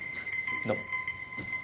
どうも。